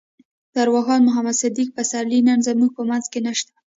ارواښاد محمد صديق پسرلی نن زموږ په منځ کې نشته.